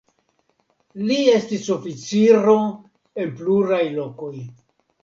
Li estis oficiro en pluraj lokoj.